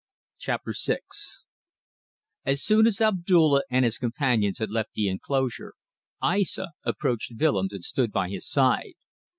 CHAPTER SIX As soon as Abdulla and his companions had left the enclosure, Aissa approached Willems and stood by his side.